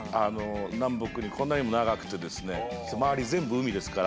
南北にこんなにも長くてですね周り全部海ですから。